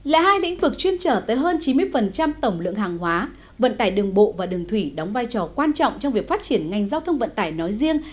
lại hai lĩnh vực chuyên trở tới hơn chín mươi tổng lượng hàng hóa vận tải đường bộ và đường thủy đóng vai trò quan trọng trong việc phát triển ngành giao thông vận tải nói riêng